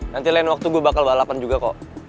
nanti lain waktu gue bakal balapan juga kok